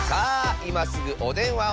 いますぐおでんわを。